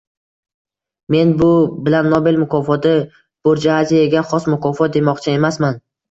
Men bu bilan Nobel mukofoti — «burjuaziyaga xos mukofot» demoqchi emasman